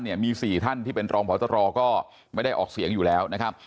มี๔ท่านที่เป็นรองพตรก็ไม่ได้ออกเสียงอยู่แล้วนะครับ